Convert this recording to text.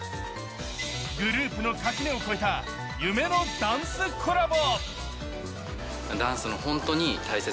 グループの垣根を越えた夢のダンスコラボ。